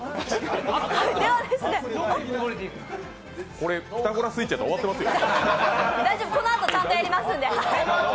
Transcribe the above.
これ、ピタゴラスイッチやったら終わってますよ。